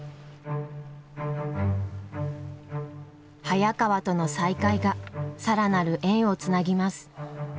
早川との再会が更なる縁をつなぎます。